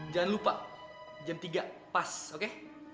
jangan lupa jam tiga pas oke